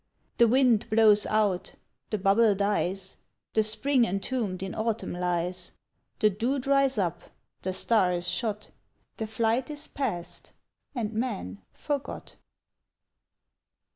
The wind blows out, the bubble dies, The spring entombed in autumn lies, The dew dries up, the star is shot, The flight is past, and man forgot!